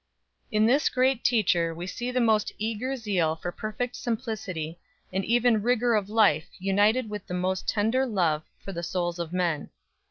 In this great teacher we see the most eager zeal for perfect simplicity and even rigour of life united with the most tender love for the souls of men.